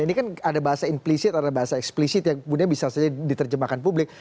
ini kan ada bahasa implisit ada bahasa eksplisit yang kemudian bisa saja diterjemahkan publik